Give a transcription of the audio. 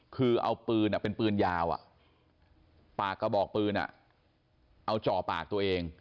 คือเอาปืนเป็นปืนยาวปากกระบอกปืนเอาจ่อปากตัวเอง